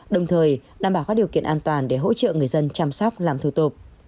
đồng thời đảm bảo các điều kiện an toàn để hỗ trợ người dân chăm sóc làm thủ tục